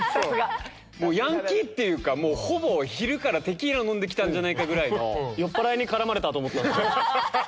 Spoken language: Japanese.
ヤンキーっていうかほぼ昼からテキーラ飲んできたんじゃないかぐらいの酔っぱらいに絡まれたと思ったんですよ。